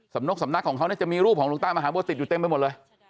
นกสำนักของเขาจะมีรูปของหลวงตามหาบัวติดอยู่เต็มไปหมดเลย